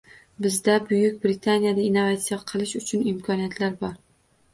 Bizda Buyuk Britaniyada innovatsiya qilish uchun imkoniyatlar bor